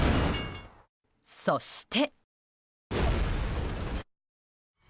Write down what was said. そして。